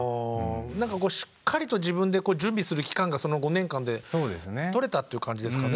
何かこうしっかりと自分で準備する期間がその５年間でとれたっていう感じですかね。